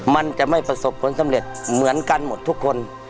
มันจะไม่ประสบผลสำเร็จเหมือนกันหมดทุกคน